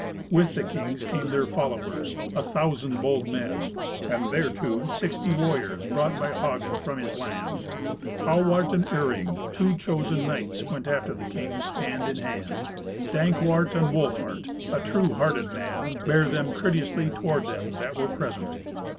With the kings came their followers, a thousand bold men, and, thereto, sixty warriors, brought by Hagen from his land. Hawart and Iring, two chosen knights, went after the kings, hand in hand. Dankwart and Wolfhart, a true hearted man, bare them courteously toward them that were present.